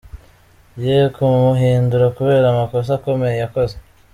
ye kumuhindura kubera amakosa akomeye yakoze.